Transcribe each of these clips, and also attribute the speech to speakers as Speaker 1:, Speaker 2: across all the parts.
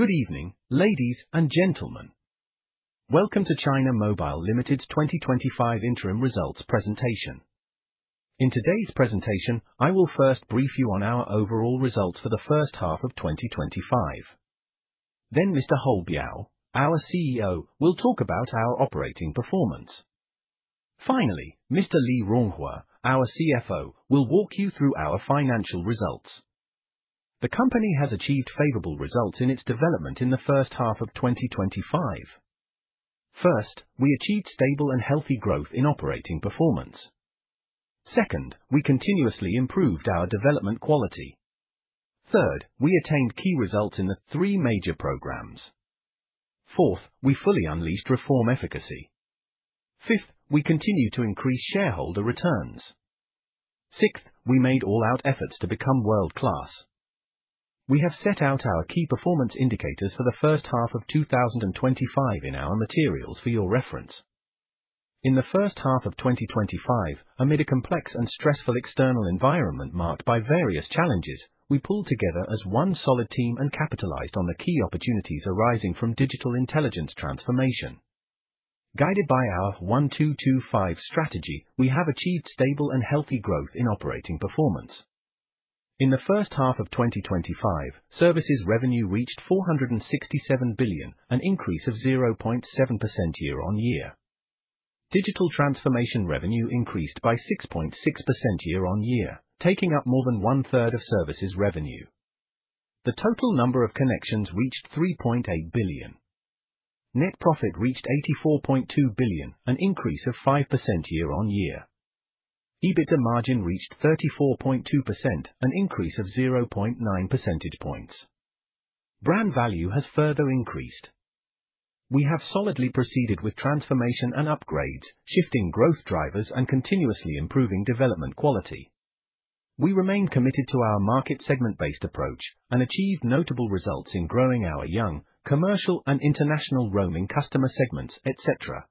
Speaker 1: Good evening, ladies and gentlemen. Welcome to China Mobile Ltd.'s 2025 interim results presentation. In today's presentation, I will first brief you on our overall results for the first half of 2025. Then Mr. He Biao, our CEO, will talk about our operating performance. Finally, Mr. Li Ronghua, our CFO, will walk you through our financial results. The company has achieved favorable results in its development in the first half of 2025. First, we achieved stable and healthy growth in operating performance. Second, we continuously improved our development quality. Third, we attained key results in the Three Major Programs. Fourth, we fully unleashed reform efficacy. Fifth, we continue to increase shareholder returns. Sixth, we made all-out efforts to become world-class. We have set out our key performance indicators for the first half of 2025 in our materials for your reference. In the first half of 2025, amid a complex and stressful external environment marked by various challenges, we pulled together as one solid team and capitalized on the key opportunities arising from digital intelligence transformation. Guided by our 1-2-2-5 Strategy, we have achieved stable and healthy growth in operating performance. In the first half of 2025, services revenue reached 467 billion, an increase of 0.7% year-on-year. Digital transformation revenue increased by 6.6% year-on-year, taking up more than one-third of services revenue. The total number of connections reached 3.8 billion. Net profit reached 84.2 billion, an increase of 5% year-on-year. EBITDA margin reached 34.2%, an increase of 0.9 percentage points. Brand value has further increased. We have solidly proceeded with transformation and upgrades, shifting growth drivers and continuously improving development quality. We remain committed to our market segment-based approach and achieved notable results in growing our young, commercial, and international roaming customer segments, etc.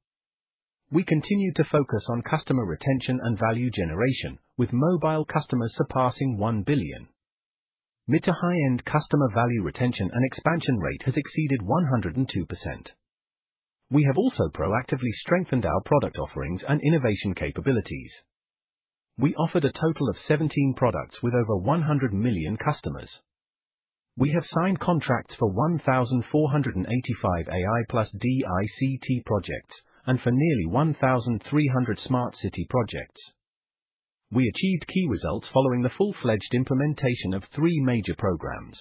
Speaker 1: We continue to focus on customer retention and value generation, with mobile customers surpassing 1 billion. Mid-to-high-end customer value retention and expansion rate has exceeded 102%. We have also proactively strengthened our product offerings and innovation capabilities. We offered a total of 17 products with over 100 million customers. We have signed contracts for 1,485 AI+DICT projects and for nearly 1,300 smart city projects. We achieved key results following the full-fledged implementation of three major programs.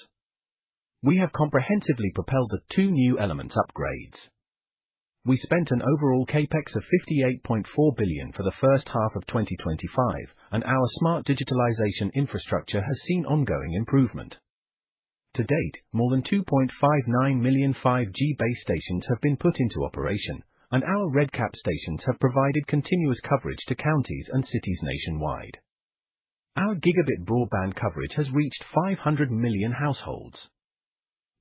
Speaker 1: We have comprehensively propelled the Two New Elements upgrades. We spent an overall CapEx of 58.4 billion for the first half of 2025, and our smart digitalization infrastructure has seen ongoing improvement. To date, more than 2.59 million 5G base stations have been put into operation, and our RedCap stations have provided continuous coverage to counties and cities nationwide. Our gigabit broadband coverage has reached 500 million households.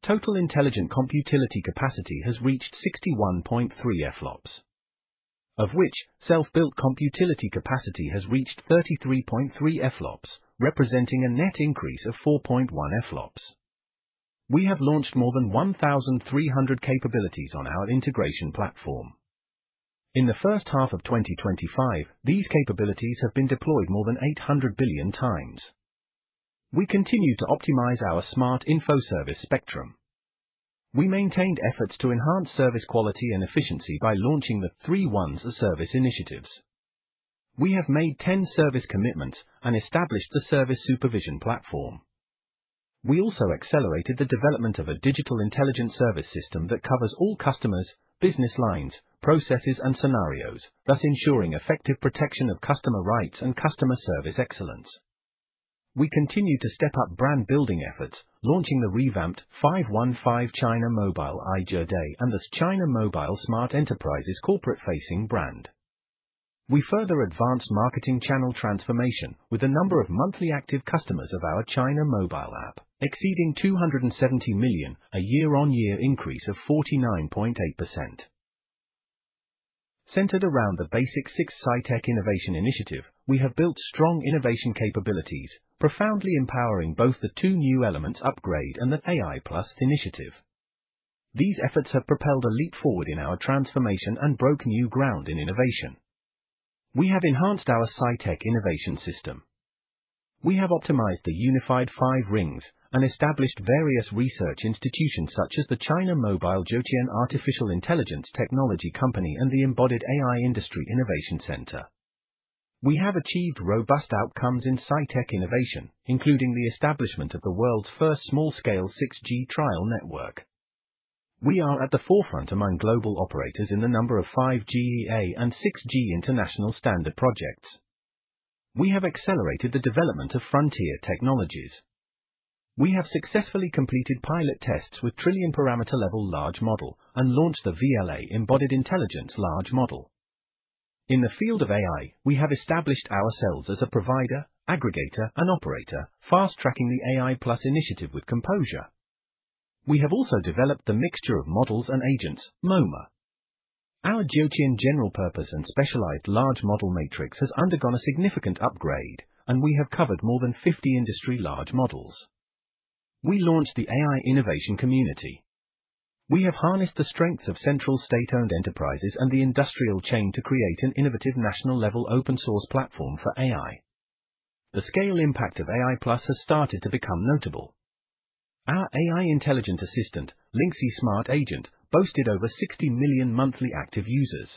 Speaker 1: Total intelligent computing utility capacity has reached 61.3 EFLOPS, of which self-built computing utility capacity has reached 33.3 EFLOPS, representing a net increase of 4.1 EFLOPS. We have launched more than 1,300 capabilities on our integration platform. In the first half of 2025, these capabilities have been deployed more than 800 billion times. We continue to optimize our smart info service spectrum. We maintained efforts to enhance service quality and efficiency by launching the 3-1-0 service initiatives. We have made 10 service commitments and established the service supervision platform. We also accelerated the development of a digital intelligence service system that covers all customers, business lines, processes, and scenarios, thus ensuring effective protection of customer rights and customer service excellence. We continue to step up brand building efforts, launching the revamped 515 China Mobile Aijia Day and the China Mobile Smart Enterprise corporate-facing brand. We further advanced marketing channel transformation with a number of monthly active customers of our China Mobile app, exceeding 270 million, a year-on-year increase of 49.8%. Centered around the BASIC6 SciTech Innovation Initiative, we have built strong innovation capabilities, profoundly empowering both the two new elements upgrade and the AI+ initiative. These efforts have propelled a leap forward in our transformation and broke new ground in innovation. We have enhanced our SciTech Innovation System. We have optimized the Unified Five Rings and established various research institutions such as the China Mobile Jiutian Artificial Intelligence Technology Co., Ltd. and the Embodied AI Industry Innovation Center. We have achieved robust outcomes in SciTech innovation, including the establishment of the world's first small-scale 6G trial network. We are at the forefront among global operators in the number of 5G-A and 6G international standard projects. We have accelerated the development of frontier technologies. We have successfully completed pilot tests with trillion-parameter level large model and launched the VLA embodied intelligence large model. In the field of AI, we have established ourselves as a provider, aggregator, and operator, fast-tracking the AI+ initiative with composure. We have also developed the mixture of models and agents, MOMA. Our Jiutian general purpose and specialized large model matrix has undergone a significant upgrade, and we have covered more than 50 industry large models. We launched the AI innovation community. We have harnessed the strengths of central state-owned enterprises and the industrial chain to create an innovative national-level open-source platform for AI. The scale impact of AI+ has started to become notable. Our AI intelligence assistant, Lingxi Smart Agent, boasted over 60 million monthly active users.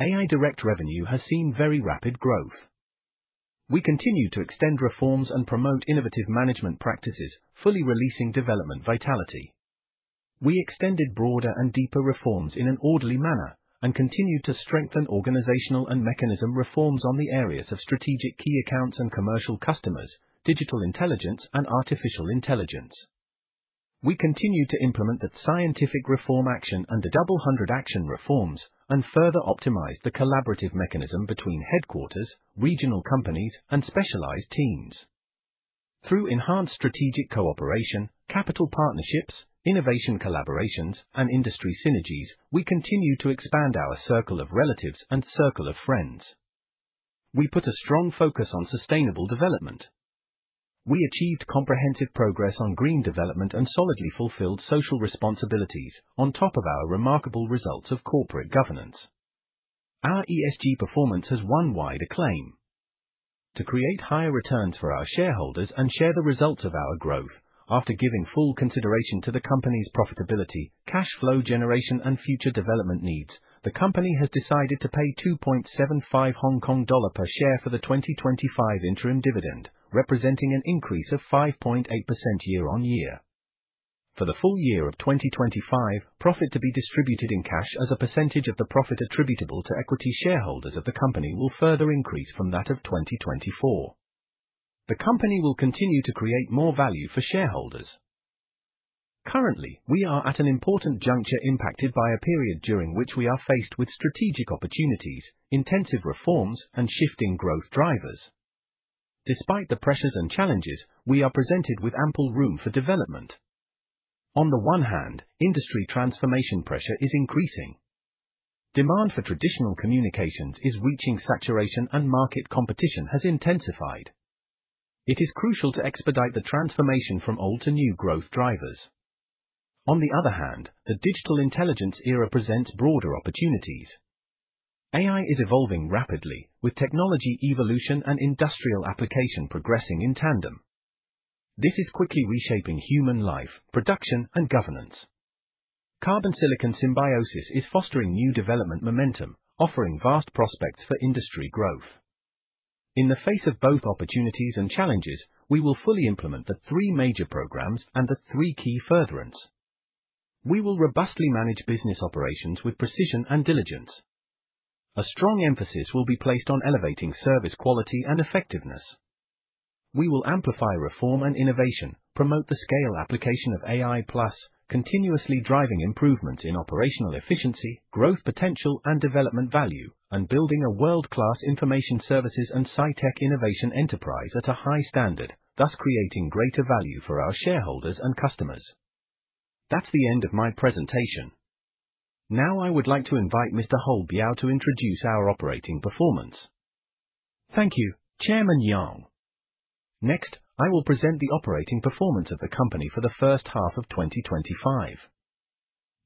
Speaker 1: AI direct revenue has seen very rapid growth. We continue to extend reforms and promote innovative management practices, fully releasing development vitality. We extended broader and deeper reforms in an orderly manner and continued to strengthen organizational and mechanism reforms on the areas of strategic key accounts and commercial customers, digital intelligence, and artificial intelligence. We continue to implement the Scientific Reform Action and the Double Hundred Action reforms and further optimize the collaborative mechanism between headquarters, regional companies, and specialized teams. Through enhanced strategic cooperation, capital partnerships, innovation collaborations, and industry synergies, we continue to expand our circle of relatives and circle of friends. We put a strong focus on sustainable development. We achieved comprehensive progress on green development and solidly fulfilled social responsibilities on top of our remarkable results of corporate governance. Our ESG performance has won wide acclaim. To create higher returns for our shareholders and share the results of our growth, after giving full consideration to the company's profitability, cash flow generation, and future development needs, the company has decided to pay 2.75 Hong Kong dollar per share for the 2025 interim dividend, representing an increase of 5.8% year-on-year. For the full year of 2025, profit to be distributed in cash as a percentage of the profit attributable to equity shareholders of the company will further increase from that of 2024. The company will continue to create more value for shareholders. Currently, we are at an important juncture impacted by a period during which we are faced with strategic opportunities, intensive reforms, and shifting growth drivers. Despite the pressures and challenges, we are presented with ample room for development. On the one hand, industry transformation pressure is increasing. Demand for traditional communications is reaching saturation and market competition has intensified. It is crucial to expedite the transformation from old to new growth drivers. On the other hand, the digital intelligence era presents broader opportunities. AI is evolving rapidly, with technology evolution and industrial application progressing in tandem. This is quickly reshaping human life, production, and governance. Carbon-silicon symbiosis is fostering new development momentum, offering vast prospects for industry growth. In the face of both opportunities and challenges, we will fully implement the three major programs and the Three Key Furtherances. We will robustly manage business operations with precision and diligence. A strong emphasis will be placed on elevating service quality and effectiveness. We will amplify reform and innovation, promote the scale application of AI+, continuously driving improvements in operational efficiency, growth potential, and development value, and building a world-class information services and SciTech innovation enterprise at a high standard, thus creating greater value for our shareholders and customers. That's the end of my presentation. Now I would like to invite Mr. He Biao to introduce our operating performance.
Speaker 2: Thank you, Chairman Yang. Next, I will present the operating performance of the company for the first half of 2025.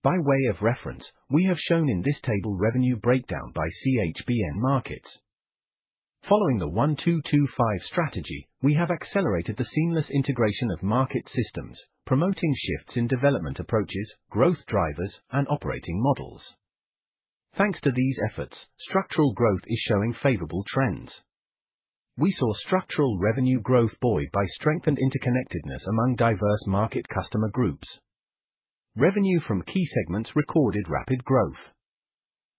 Speaker 2: By way of reference, we have shown in this table revenue breakdown by CHBN markets. Following the 1-2-2-5 Strategy, we have accelerated the seamless integration of market systems, promoting shifts in development approaches, growth drivers, and operating models. Thanks to these efforts, structural growth is showing favorable trends. We saw structural revenue growth buoyed by strengthened interconnectedness among diverse market customer groups. Revenue from key segments recorded rapid growth.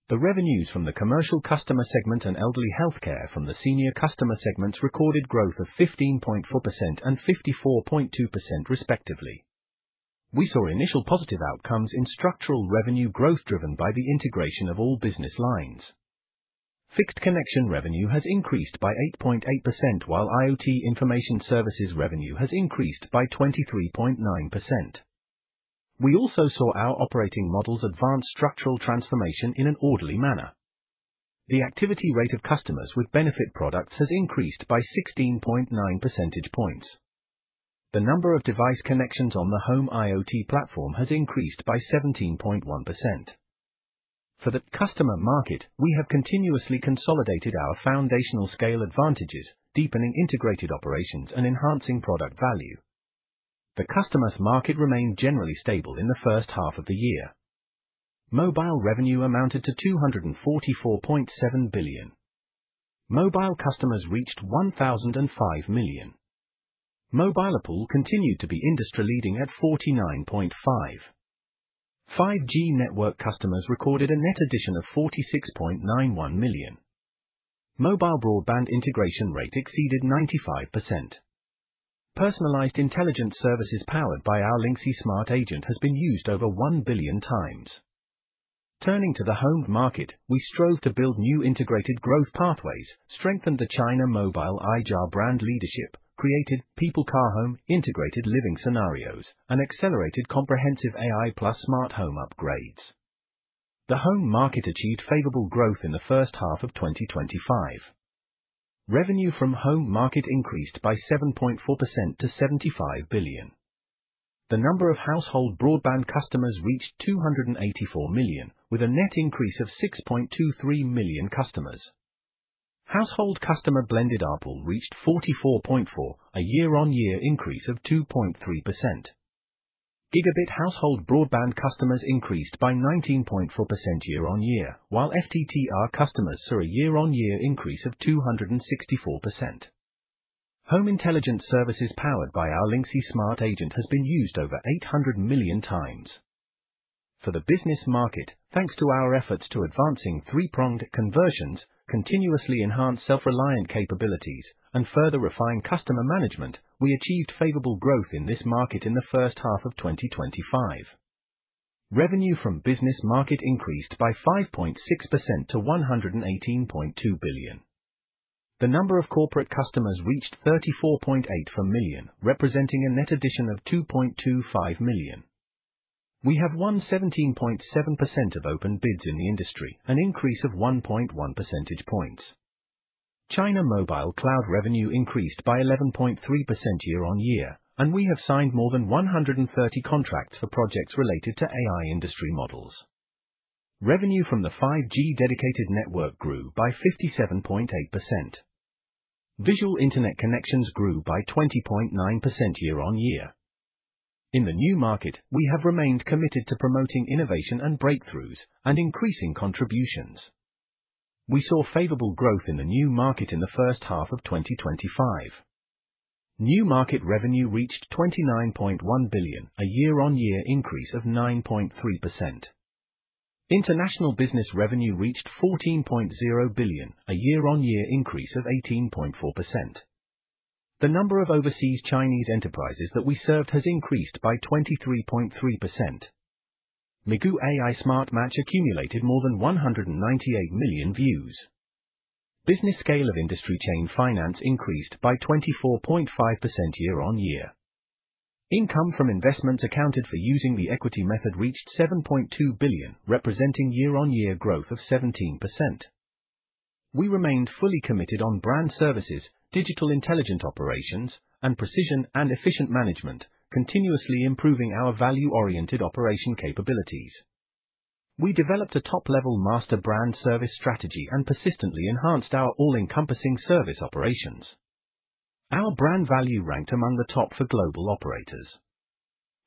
Speaker 2: The revenues from the commercial customer segment and elderly healthcare from the senior customer segments recorded growth of 15.4% and 54.2% respectively. We saw initial positive outcomes in structural revenue growth driven by the integration of all business lines. Fixed connection revenue has increased by 8.8% while IoT information services revenue has increased by 23.9%. We also saw our operating models advance structural transformation in an orderly manner. The activity rate of customers with benefit products has increased by 16.9 percentage points. The number of device connections on the home IoT platform has increased by 17.1%. For the customer market, we have continuously consolidated our foundational scale advantages, deepening integrated operations and enhancing product value. The customer market remained generally stable in the first half of the year. Mobile revenue amounted to 244.7 billion. Mobile customers reached 1,005 million. Mobile ARPU continued to be industry leading at 49.5. 5G network customers recorded a net addition of 46.91 million. Mobile broadband integration rate exceeded 95%. Personalized intelligence services powered by our Lingxi Smart Agent have been used over 1 billion times. Turning to the home market, we strove to build new integrated growth pathways, strengthened the China Mobile Aijia brand leadership, created People-Car-Home, integrated living scenarios, and accelerated comprehensive AI plus smart home upgrades. The home market achieved favorable growth in the first half of 2025. Revenue from home market increased by 7.4% to 75 billion. The number of household broadband customers reached 284 million, with a net increase of 6.23 million customers. Household customer blended ARPU reached 44.4, a year-on-year increase of 2.3%. Gigabit household broadband customers increased by 19.4% year-on-year, while FTTR customers saw a year-on-year increase of 264%. Home intelligence services powered by our Lingxi Smart Agent have been used over 800 million times. For the business market, thanks to our efforts to advancing three-pronged conversions, continuously enhance self-reliant capabilities, and further refine customer management, we achieved favorable growth in this market in the first half of 2025. Revenue from business market increased by 5.6% to 118.2 billion. The number of corporate customers reached 34.84 million, representing a net addition of 2.25 million. We have won 17.7% of open bids in the industry, an increase of 1.1 percentage points. China Mobile Cloud revenue increased by 11.3% year-on-year, and we have signed more than 130 contracts for projects related to AI industry models. Revenue from the 5G dedicated network grew by 57.8%. Video IoT connections grew by 20.9% year-on-year. In the new market, we have remained committed to promoting innovation and breakthroughs and increasing contributions. We saw favorable growth in the new market in the first half of 2025. New market revenue reached 29.1 billion, a year-on-year increase of 9.3%. International business revenue reached 14.0 billion, a year-on-year increase of 18.4%. The number of overseas Chinese enterprises that we served has increased by 23.3%. Migu AI Smart Match accumulated more than 198 million views. Business scale of industry chain finance increased by 24.5% year-on-year. Income from investments accounted for using the equity method reached 7.2 billion, representing year-on-year growth of 17%. We remained fully committed on brand services, digital intelligent operations, and precision and efficient management, continuously improving our value-oriented operation capabilities. We developed a top-level master brand service strategy and persistently enhanced our all-encompassing service operations. Our brand value ranked among the top for global operators.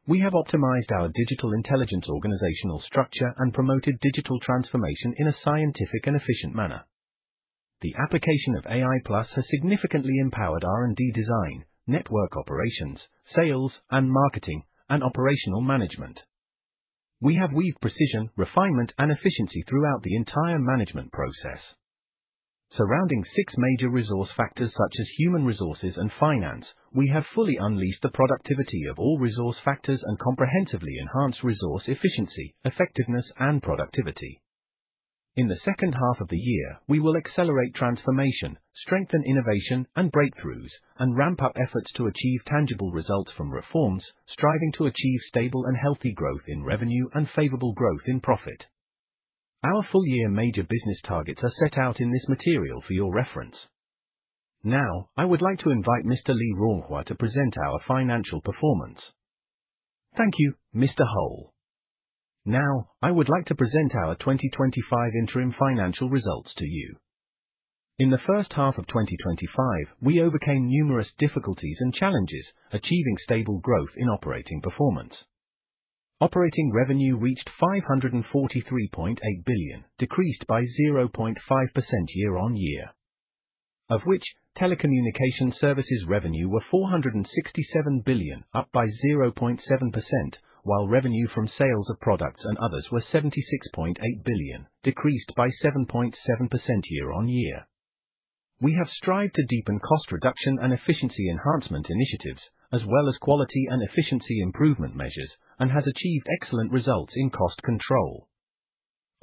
Speaker 2: We have optimized our digital intelligence organizational structure and promoted digital transformation in a scientific and efficient manner. The application of AI plus has significantly empowered R&D design, network operations, sales, marketing, and operational management. We have weaved precision, refinement, and efficiency throughout the entire management process. Surrounding six major resource factors such as human resources and finance, we have fully unleashed the productivity of all resource factors and comprehensively enhanced resource efficiency, effectiveness, and productivity. In the second half of the year, we will accelerate transformation, strengthen innovation and breakthroughs, and ramp up efforts to achieve tangible results from reforms, striving to achieve stable and healthy growth in revenue and favorable growth in profit. Our full-year major business targets are set out in this material for your reference. Now, I would like to invite Mr. Li Ronghua to present our financial performance.
Speaker 3: Thank you, Mr. He. Now, I would like to present our 2025 interim financial results to you. In the first half of 2025, we overcame numerous difficulties and challenges, achieving stable growth in operating performance. Operating revenue reached 543.8 billion, decreased by 0.5% year-on-year. Of which, telecommunication services revenue were 467 billion, up by 0.7%, while revenue from sales of products and others were 76.8 billion, decreased by 7.7% year-on-year. We have strived to deepen cost reduction and efficiency enhancement initiatives, as well as quality and efficiency improvement measures, and have achieved excellent results in cost control.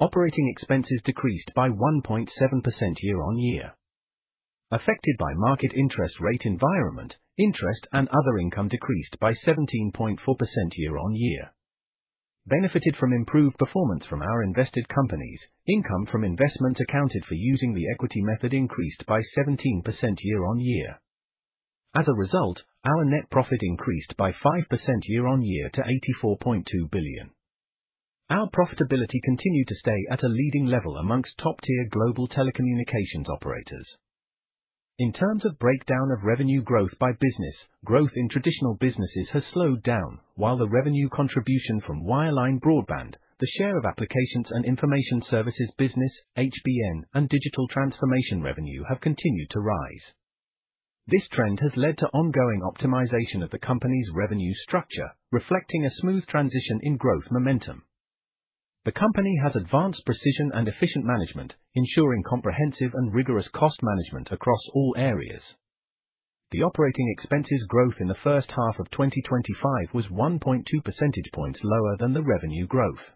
Speaker 3: Operating expenses decreased by 1.7% year-on-year. Affected by market interest rate environment, interest and other income decreased by 17.4% year-on-year. Benefited from improved performance from our invested companies, income from investments accounted for using the equity method increased by 17% year-on-year. As a result, our net profit increased by 5% year-on-year to 84.2 billion. Our profitability continued to stay at a leading level amongst top-tier global telecommunications operators. In terms of breakdown of revenue growth by business, growth in traditional businesses has slowed down, while the revenue contribution from wireline broadband, the share of applications and information services business, CHBN, and digital transformation revenue have continued to rise. This trend has led to ongoing optimization of the company's revenue structure, reflecting a smooth transition in growth momentum. The company has advanced precision and efficient management, ensuring comprehensive and rigorous cost management across all areas. The operating expenses growth in the first half of 2025 was 1.2 percentage points lower than the revenue growth.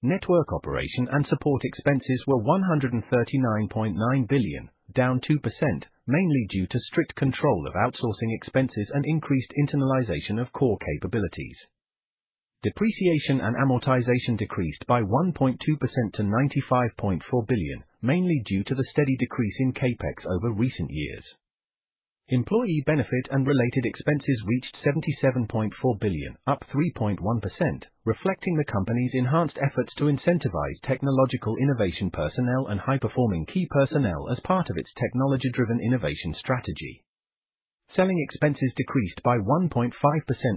Speaker 3: Network operation and support expenses were 139.9 billion, down 2%, mainly due to strict control of outsourcing expenses and increased internalization of core capabilities. Depreciation and amortization decreased by 1.2% to 95.4 billion, mainly due to the steady decrease in CapEx over recent years. Employee benefit and related expenses reached 77.4 billion, up 3.1%, reflecting the company's enhanced efforts to incentivize technological innovation personnel and high-performing key personnel as part of its technology-driven innovation strategy. Selling expenses decreased by 1.5%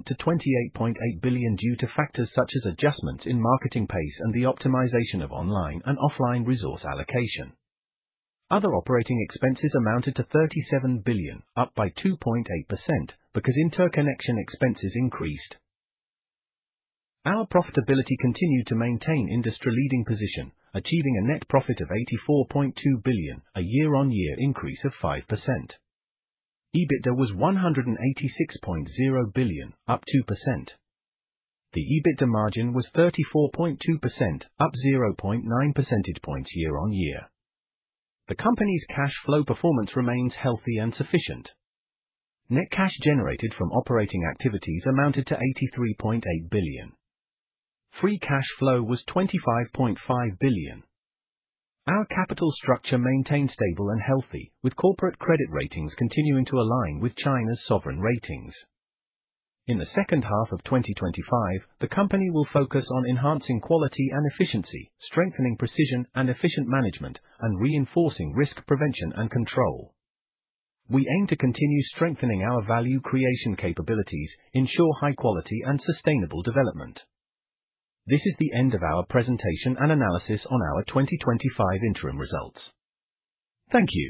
Speaker 3: to 28.8 billion due to factors such as adjustments in marketing pace and the optimization of online and offline resource allocation. Other operating expenses amounted to 37 billion, up by 2.8%, because interconnection expenses increased. Our profitability continued to maintain industry-leading position, achieving a net profit of 84.2 billion, a year-on-year increase of 5%. EBITDA was 186.0 billion, up 2%. The EBITDA margin was 34.2%, up 0.9 percentage points year-on-year. The company's cash flow performance remains healthy and sufficient. Net cash generated from operating activities amounted to 83.8 billion. Free cash flow was 25.5 billion. Our capital structure maintained stable and healthy, with corporate credit ratings continuing to align with China's sovereign ratings. In the second half of 2025, the company will focus on enhancing quality and efficiency, strengthening precision and efficient management, and reinforcing risk prevention and control. We aim to continue strengthening our value creation capabilities, ensure high quality and sustainable development. This is the end of our presentation and analysis on our 2025 interim results. Thank you.